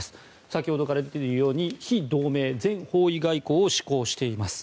先ほどから出ているように非同盟、全方位外交を志向しています。